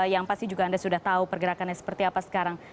yang pasti juga anda sudah tahu pergerakannya seperti apa sekarang